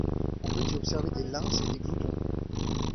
On peut y observer des lynx et des gloutons.